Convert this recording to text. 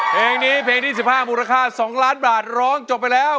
เพลงนี้เพลงที่๑๕มูลค่า๒ล้านบาทร้องจบไปแล้ว